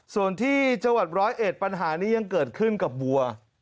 ส่วนที่จังหวัดร้อยเอ็ดปัญหานี้ยังเกิดขึ้นกับวัว